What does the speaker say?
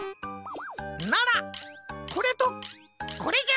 ならこれとこれじゃ！